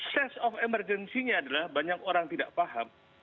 sense of emergency nya adalah banyak orang tidak paham